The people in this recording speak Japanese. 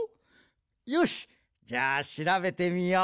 よしじゃあしらべてみよう。